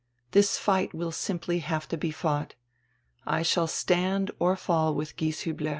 This fight will simply have to be fought. I shall stand or fall with Gies hiibler.